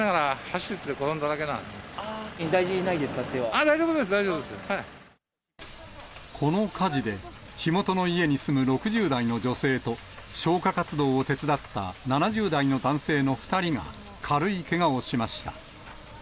ああ、大丈夫です、大丈夫でこの火事で、火元の家に住む６０代の女性と、消火活動を手伝った７０代の男性の２人が軽いけがをしました。